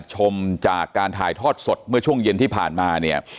ชมจากการถ่ายทอดสดเมื่อช่วงเย็นที่ผ่านมาเนี่ย